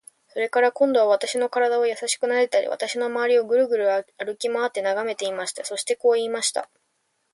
それから、今度は私の身体をやさしくなでたり、私のまわりをぐるぐる歩きまわって眺めていました。そしてこう言いました。